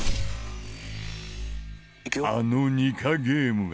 あのニカゲームが。